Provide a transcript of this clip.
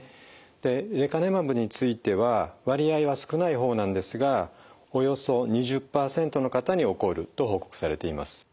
でレカネマブについては割合は少ない方なんですがおよそ２０％の方に起こると報告されています。